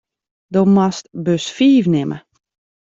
Do moatst bus fiif nimme.